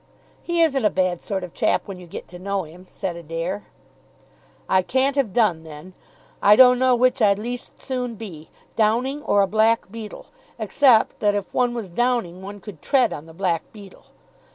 "He isn't a bad sort of chap, when you get to know him," said Adair. "I can't have done, then. I don't know which I'd least soon be, Downing or a black beetle, except that if one was Downing one could tread on the black beetle.